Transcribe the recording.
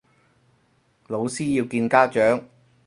老師要見家長